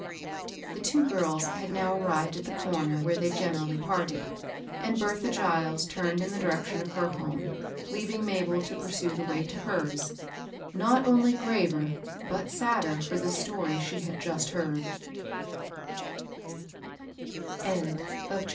The two girls had now arrived at the comer where^'they generally parted ; and Bertha Giles turned in the direction of her home, leaving Ma bel to pursue the way to hers, not only graver but sadder ^for the story sh6 had just heard CMAFTEB V. HICDA.